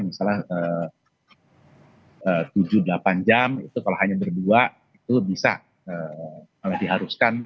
misalnya tujuh delapan jam itu kalau hanya berdua itu bisa malah diharuskan